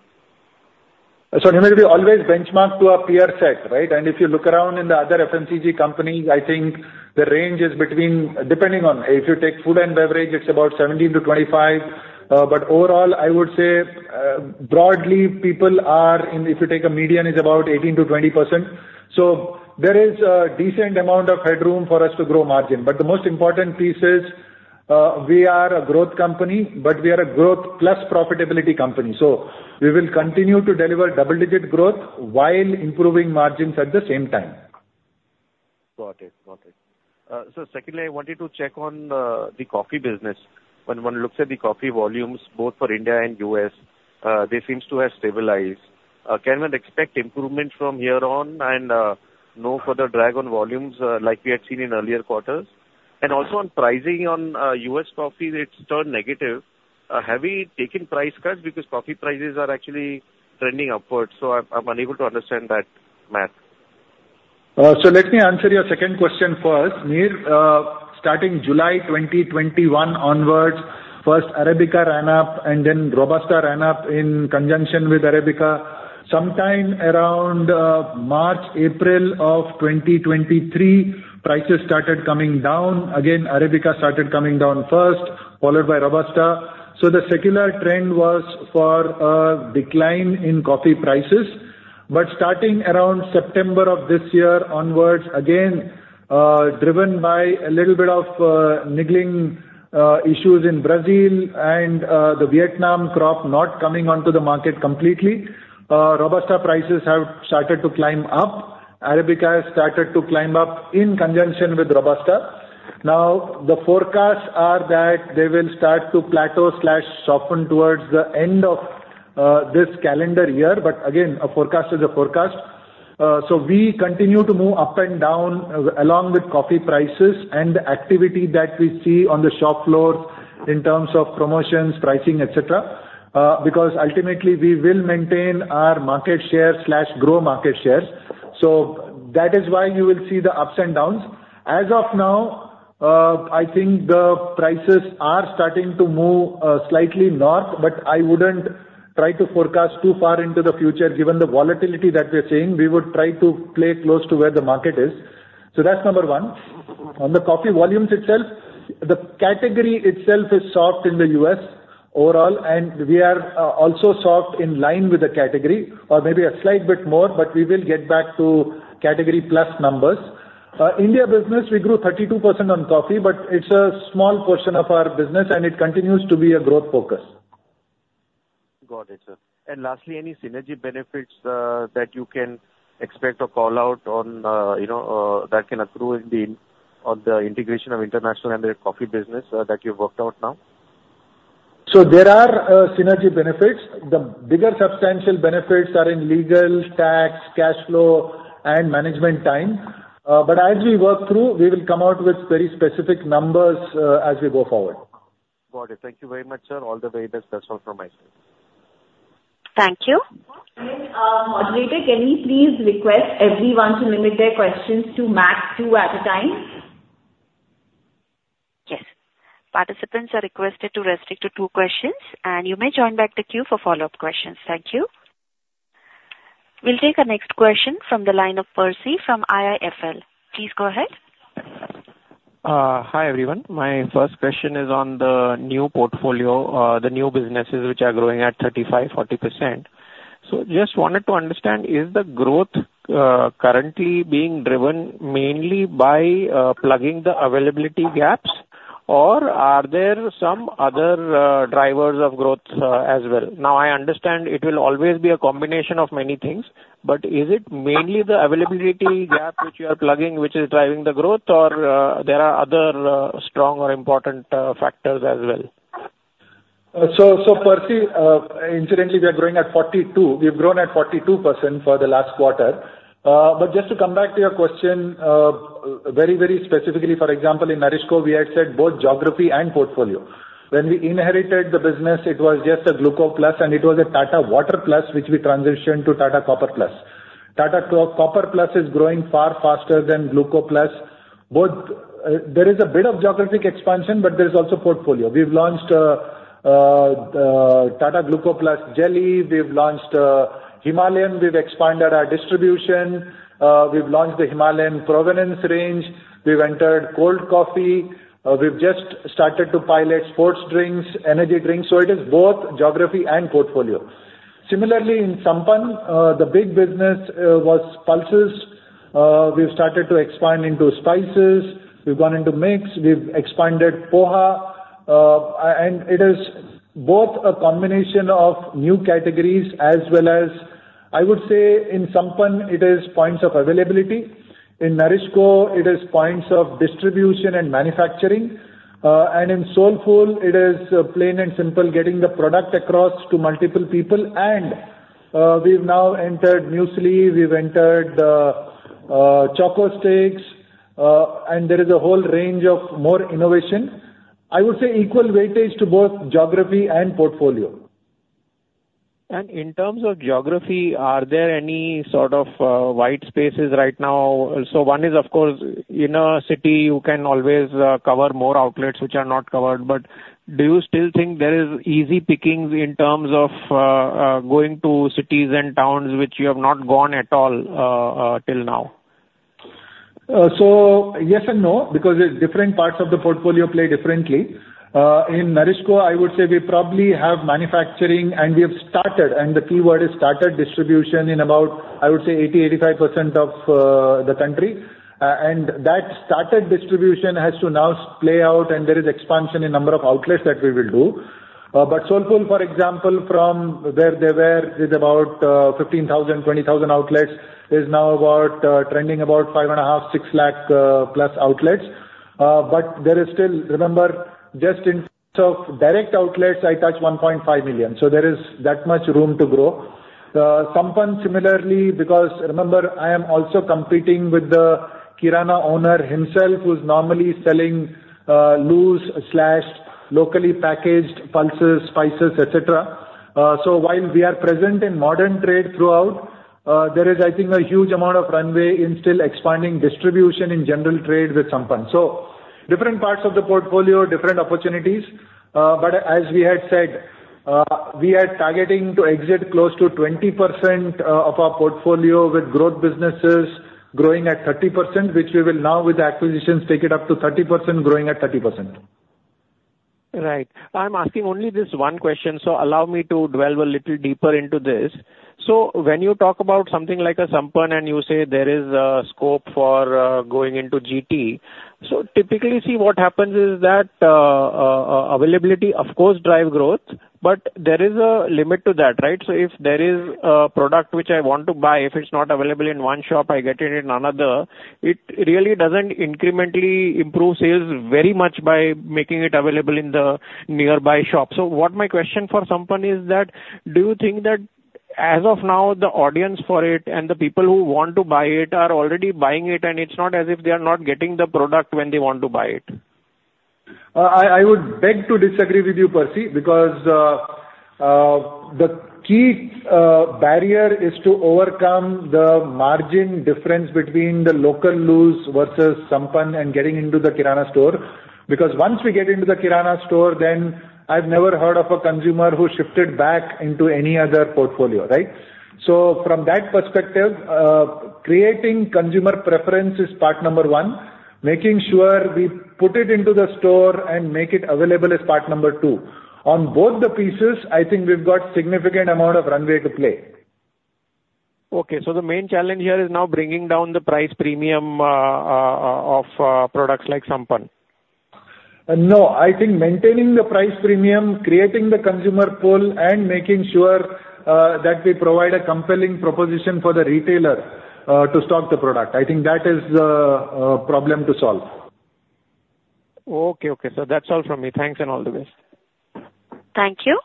So Mihir, we always benchmark to our peer set, right? And if you look around in the other FMCG companies, I think the range is between, depending on, if you take food and beverage, it's about 17-25. But overall, I would say, broadly, people are in, if you take a median, is about 18%-20%. So there is a decent amount of headroom for us to grow margin. But the most important piece is, we are a growth company, but we are a growth plus profitability company. So we will continue to deliver double-digit growth while improving margins at the same time.... Got it. Got it. So secondly, I wanted to check on the coffee business. When one looks at the coffee volumes, both for India and U.S., they seems to have stabilized. Can one expect improvement from here on and no further drag on volumes, like we had seen in earlier quarters? And also on pricing on U.S. coffee, it's turned negative. Have we taken price cuts? Because coffee prices are actually trending upwards, so I'm unable to understand that math. So let me answer your second question first. Mihir, starting July 2021 onwards, first Arabica ran up and then Robusta ran up in conjunction with Arabica. Sometime around March, April of 2023, prices started coming down. Again, Arabica started coming down first, followed by Robusta. So the secular trend was for a decline in coffee prices. But starting around September of this year onwards, again, driven by a little bit of niggling issues in Brazil and the Vietnam crop not coming onto the market completely, Robusta prices have started to climb up. Arabica has started to climb up in conjunction with Robusta. Now, the forecasts are that they will start to plateau/soften towards the end of this calendar year, but again, a forecast is a forecast. So we continue to move up and down along with coffee prices and the activity that we see on the shop floor in terms of promotions, pricing, et cetera, because ultimately, we will maintain our market share/grow market share. So that is why you will see the ups and downs. As of now, I think the prices are starting to move slightly north, but I wouldn't try to forecast too far into the future. Given the volatility that we're seeing, we would try to play close to where the market is. So that's number one. On the coffee volumes itself, the category itself is soft in the U.S. overall, and we are also soft in line with the category, or maybe a slight bit more, but we will get back to category plus numbers. India business, we grew 32% on coffee, but it's a small portion of our business, and it continues to be a growth focus. Got it, sir. And lastly, any synergy benefits that you can expect or call out on, you know, that can accrue in the, on the integration of international and the coffee business that you've worked out now? There are synergy benefits. The bigger substantial benefits are in legal, tax, cash flow, and management time. But as we work through, we will come out with very specific numbers, as we go forward. Got it. Thank you very much, sir. All the very best. That's all from my side. Thank you. Moderator, can we please request everyone to limit their questions to max two at a time? Yes. Participants are requested to restrict to two questions, and you may join back the queue for follow-up questions. Thank you. We'll take our next question from the line of Percy from IIFL. Please go ahead. Hi, everyone. My first question is on the new portfolio, the new businesses, which are growing at 35%-40%. So just wanted to understand, is the growth currently being driven mainly by plugging the availability gaps? Or are there some other drivers of growth as well? Now, I understand it will always be a combination of many things, but is it mainly the availability gap which you are plugging, which is driving the growth, or there are other strong or important factors as well? So, Percy, incidentally, we are growing at 42. We've grown at 42% for the last quarter. But just to come back to your question, very, very specifically, for example, in NourishCo, we had said both geography and portfolio. When we inherited the business, it was just Gluco+, and it was a Tata Water+, which we transitioned to Copper+ is growing far faster Gluco+. both, there is a bit of geographic expansion, but there is also portfolio. We've launched Gluco+ jelly. We've launched Himalayan. We've expanded our distribution. We've launched the Himalayan Provenance range. We've entered cold coffee. We've just started to pilot sports drinks, energy drinks, so it is both geography and portfolio. Similarly, in Sampann, the big business was pulses. We've started to expand into spices. We've gone into mix. We've expanded poha. And it is both a combination of new categories as well as... I would say in Sampann, it is points of availability. In NourishCo, it is points of distribution and manufacturing. And in Soulfull, it is plain and simple, getting the product across to multiple people. And we've now entered muesli, we've entered Choco Sticks, and there is a whole range of more innovation. I would say equal weightage to both geography and portfolio. In terms of geography, are there any sort of white spaces right now? So one is, of course, in a city, you can always cover more outlets which are not covered. But do you still think there is easy pickings in terms of going to cities and towns which you have not gone at all till now? So yes and no, because the different parts of the portfolio play differently. In NourishCo, I would say we probably have manufacturing, and we have started, and the keyword is started, distribution in about, I would say, 80%-85% of the country. And that started distribution has to now play out, and there is expansion in number of outlets that we will do. But Soulfull, for example, from where they were, is about 15,000-20,000 outlets, is now about trending about 550,000-600,000 outlets. But there is still, remember, just in terms of direct outlets, I touch 1.5 million, so there is that much room to grow. Sampann similarly, because remember, I am also competing with the kirana owner himself, who's normally selling loose/locally packaged pulses, spices, et cetera. So while we are present in modern trade throughout, there is, I think, a huge amount of runway in still expanding distribution in general trade with Sampann. So different parts of the portfolio, different opportunities, but as we had said, we are targeting to exit close to 20% of our portfolio with growth businesses growing at 30%, which we will now with the acquisitions, take it up to 30%, growing at 30%. Right. I'm asking only this one question, so allow me to dwell a little deeper into this. So when you talk about something like a Sampann, and you say there is a scope for going into GT, so typically, see, what happens is that, availability, of course, drive growth, but there is a limit to that, right? So if there is a product which I want to buy, if it's not available in one shop, I get it in another. It really doesn't incrementally improve sales very much by making it available in the nearby shop. So what my question for Sampann is that, do you think that as of now, the audience for it and the people who want to buy it are already buying it, and it's not as if they are not getting the product when they want to buy it? I would beg to disagree with you, Percy, because the key barrier is to overcome the margin difference between the local loose versus Sampann and getting into the kirana store. Because once we get into the kirana store, then I've never heard of a consumer who shifted back into any other portfolio, right? So from that perspective, creating consumer preference is part number one. Making sure we put it into the store and make it available is part number two. On both the pieces, I think we've got significant amount of runway to play. Okay, so the main challenge here is now bringing down the price premium of products like Sampann? No, I think maintaining the price premium, creating the consumer pull, and making sure that we provide a compelling proposition for the retailer to stock the product. I think that is the problem to solve. Okay, okay. So that's all from me. Thanks, and all the best. Thank you.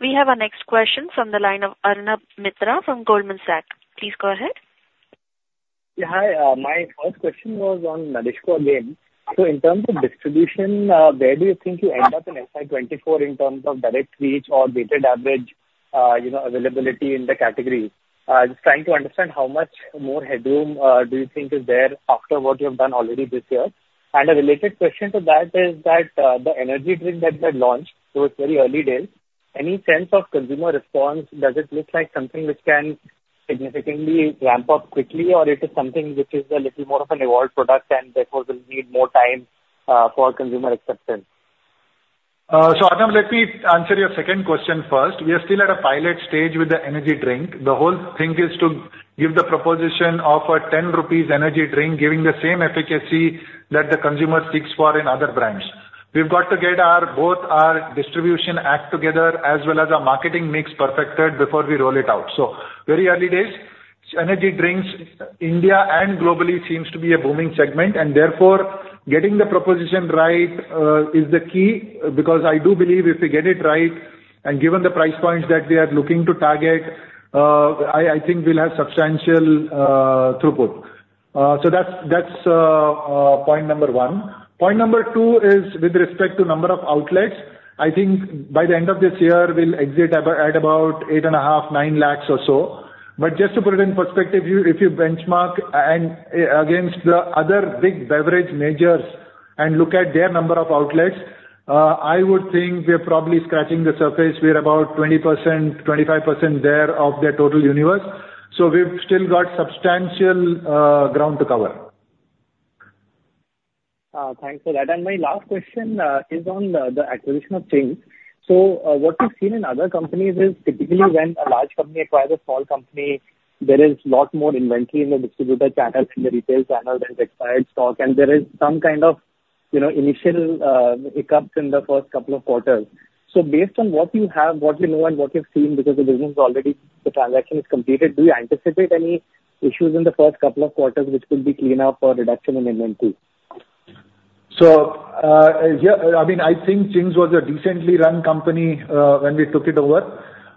We have our next question from the line of Arnab Mitra from Goldman Sachs. Please go ahead. Yeah, hi. My first question was on NourishCo again. So in terms of distribution, where do you think you end up in FY 2024, in terms of direct reach or weighted average, you know, availability in the category? Just trying to understand how much more headroom do you think is there after what you have done already this year? And a related question to that is that, the energy drink that you had launched, so it's very early days, any sense of consumer response? Does it look like something which can significantly ramp up quickly, or it is something which is a little more of an evolved product and therefore will need more time for consumer acceptance? So Arnab, let me answer your second question first. We are still at a pilot stage with the energy drink. The whole thing is to give the proposition of an 10 rupees energy drink, giving the same efficacy that the consumer seeks for in other brands. We've got to get our, both our distribution act together as well as our marketing mix perfected before we roll it out, so very early days. Energy drinks, India and globally, seems to be a booming segment, and therefore, getting the proposition right, is the key, because I do believe if we get it right, and given the price points that we are looking to target, I think we'll have substantial, throughput. So that's point number one. Point number two is with respect to number of outlets. I think by the end of this year, we'll exit at about 850,000-900,000 or so. But just to put it in perspective, if you, if you benchmark against the other big beverage majors and look at their number of outlets, I would think we are probably scratching the surface. We're about 20%-25% there of their total universe, so we've still got substantial ground to cover. Thanks for that. My last question is on the acquisition of Ching's. What we've seen in other companies is typically when a large company acquires a small company, there is lot more inventory in the distributor channels, in the retail channel, there is expired stock, and there is some kind of, you know, initial hiccups in the first couple of quarters. Based on what you have, what you know and what you've seen, because the business already, the transaction is completed, do you anticipate any issues in the first couple of quarters, which will be clean up or reduction in NNP? So, yeah, I mean, I think Ching's was a decently run company when we took it over.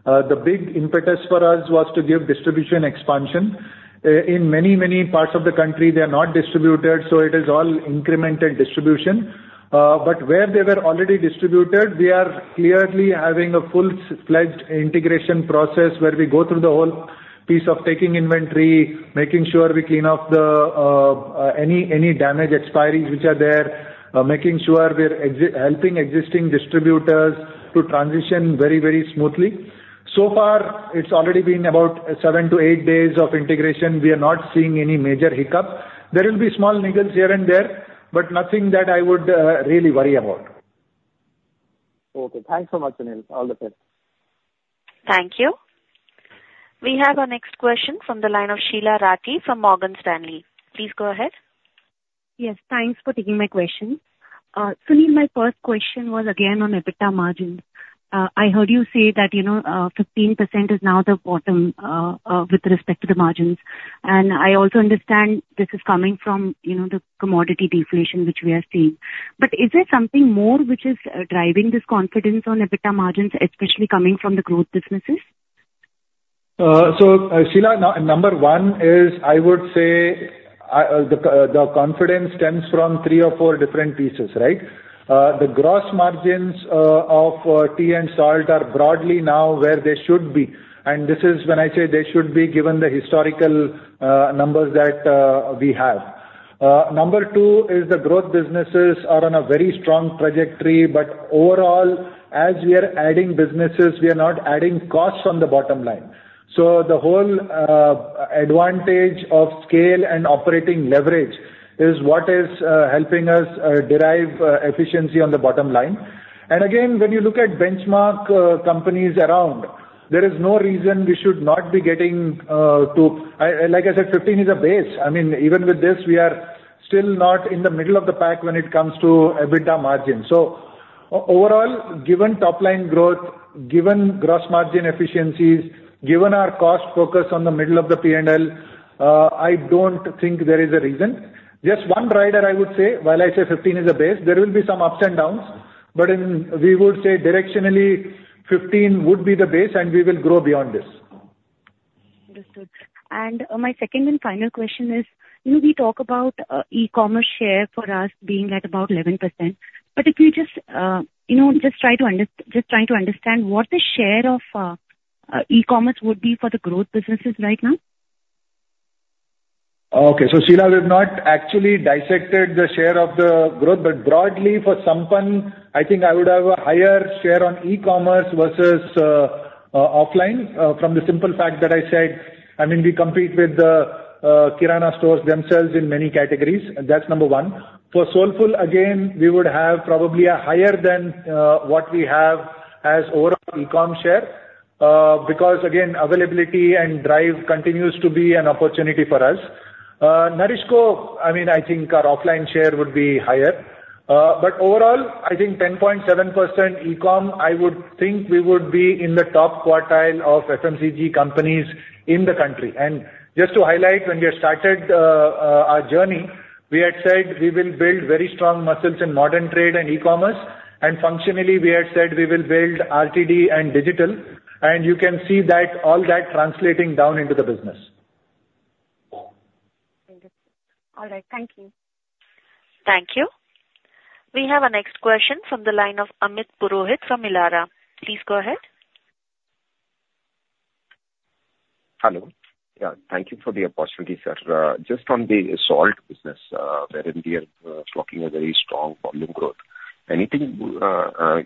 The big impetus for us was to give distribution expansion. In many, many parts of the country, they are not distributed, so it is all incremental distribution. But where they were already distributed, we are clearly having a full-fledged integration process, where we go through the whole piece of taking inventory, making sure we clean up the any damaged expiries which are there, making sure we're helping existing distributors to transition very, very smoothly. So far, it's already been about seven to eight days of integration. We are not seeing any major hiccup. There will be small niggles here and there, but nothing that I would really worry about. Okay, thanks so much, Sunil. All the best. Thank you. We have our next question from the line of Sheela Rathi from Morgan Stanley. Please go ahead. Yes, thanks for taking my question. Sunil, my first question was again on EBITDA margins. I heard you say that, you know, 15% is now the bottom with respect to the margins. And I also understand this is coming from, you know, the commodity deflation which we are seeing. But is there something more which is driving this confidence on EBITDA margins, especially coming from the growth businesses? So, Sheela, number one is, I would say, the confidence stems from three or four different pieces, right? The gross margins of tea and salt are broadly now where they should be, and this is when I say they should be, given the historical numbers that we have. Number two is the growth businesses are on a very strong trajectory, but overall, as we are adding businesses, we are not adding costs on the bottom line. So the whole advantage of scale and operating leverage is what is helping us derive efficiency on the bottom line. And again, when you look at benchmark companies around, there is no reason we should not be getting to... I, like I said, 15 is a base. I mean, even with this, we are still not in the middle of the pack when it comes to EBITDA margins. So overall, given top line growth, given gross margin efficiencies, given our cost focus on the middle of the P&L, I don't think there is a reason. Just one rider I would say, while I say 15 is a base, there will be some ups and downs, but in, we would say directionally, 15 would be the base, and we will grow beyond this. Understood. And my second and final question is: you know, we talk about e-commerce share for us being at about 11%, but if you just, you know, just trying to understand what the share of e-commerce would be for the growth businesses right now? Okay. So Sheela, we've not actually dissected the share of the growth, but broadly for Sampann, I think I would have a higher share on e-commerce versus offline, from the simple fact that I said, I mean, we compete with the kirana stores themselves in many categories, that's number one. For Soulfull, again, we would have probably a higher than what we have as overall e-com share, because, again, availability and drive continues to be an opportunity for us. NourishCo, I mean, I think our offline share would be higher. But overall, I think 10.7% e-com, I would think we would be in the top quartile of FMCG companies in the country. Just to highlight, when we had started our journey, we had said we will build very strong muscles in modern trade and e-commerce, and functionally, we had said we will build RTD and digital, and you can see that all that translating down into the business. Understood. All right. Thank you. Thank you. We have our next question from the line of Amit Purohit from Elara. Please go ahead. Hello. Yeah, thank you for the opportunity, sir. Just on the salt business, wherein we are talking a very strong volume growth. Anything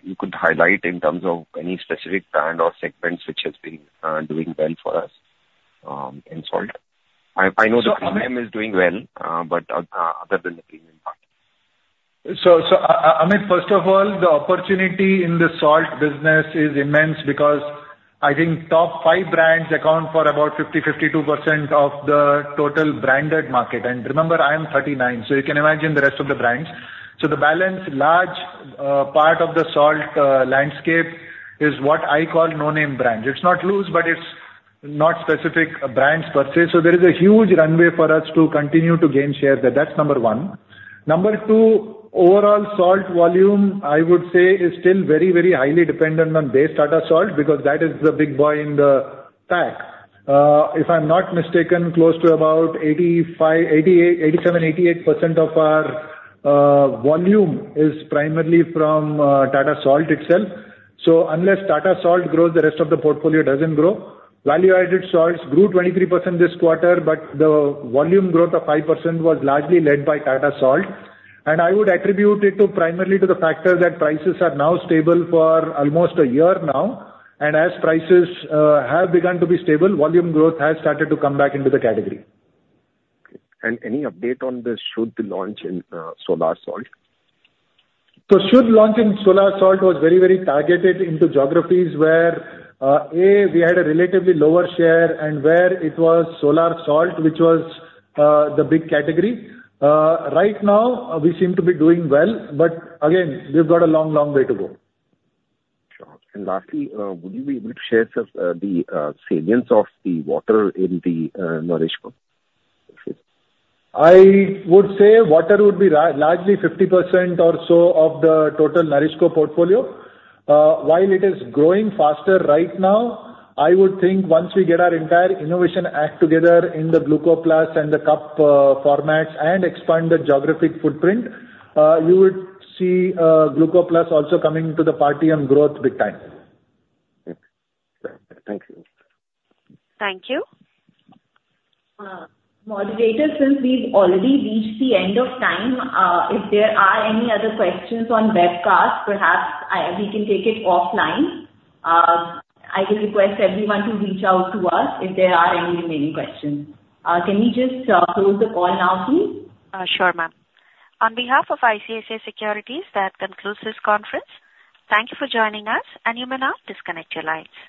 you could highlight in terms of any specific brand or segments which has been doing well for us in salt? I know the premium is doing well, but other than the premium part. So, Amit, first of all, the opportunity in the salt business is immense because I think top five brands account for about 50%, 52% of the total branded market. And remember, I am 39, so you can imagine the rest of the brands. So the balance, large part of the salt landscape is what I call no-name brands. It's not loose, but it's not specific brands per se. So there is a huge runway for us to continue to gain share there, that's number one. Number two, overall salt volume, I would say, is still very, very highly dependent on base Tata Salt, because that is the big boy in the pack. If I'm not mistaken, close to about 85%, 88%, 87%, 88% of our volume is primarily from Tata Salt itself. Unless Tata Salt grows, the rest of the portfolio doesn't grow. Value-added salts grew 23% this quarter, but the volume growth of 5% was largely led by Tata Salt. I would attribute it to, primarily to the factor that prices are now stable for almost a year now, and as prices have begun to be stable, volume growth has started to come back into the category. Any update on the Shuddh launch in solar salt? Shuddh launch in solar salt was very, very targeted into geographies where we had a relatively lower share and where it was solar salt, which was the big category. Right now, we seem to be doing well, but again, we've got a long, long way to go. Sure. And lastly, would you be able to share, just, the salience of the water in the NourishCo? I would say water would be largely 50% or so of the total NourishCo portfolio. While it is growing faster right now, I would think once we get our entire innovation act together in the Gluco+ and the cup formats and expand the geographic footprint, you would see Gluco+ also coming to the party on growth big time. Okay. Thank you. Thank you. Moderator, since we've already reached the end of time, if there are any other questions on webcast, perhaps, we can take it offline. I will request everyone to reach out to us if there are any remaining questions. Can we just close the call now, please? Sure, ma'am. On behalf of ICICI Securities, that concludes this conference. Thank you for joining us, and you may now disconnect your lines.